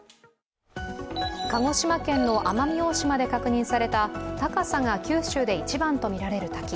鹿児島県の奄美大島で確認された高さが九州で一番とみられる滝。